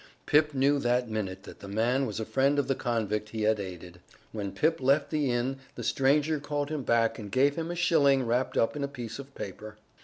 Pip knew that minute that the man was a friend of the convict he had aided. When Pip left the inn the stranger called him back and gave him a shilling wrapped up in a piece of paper.